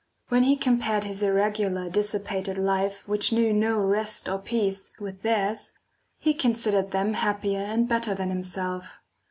When he compared his irregular, dissipated life, which knew no rest or peace, with theirs, he considered them happier and better than himself.